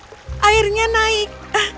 oh airnya naik